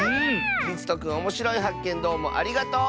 りつとくんおもしろいはっけんどうもありがとう！